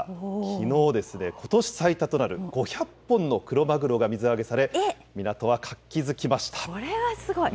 きのう、ことし最多となる５００本のクロマグロが水揚げされ、それはすごい。